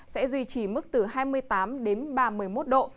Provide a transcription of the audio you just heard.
sẽ duy trì mức từ hai mươi tám đến ba mươi một độ